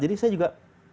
jadi saya juga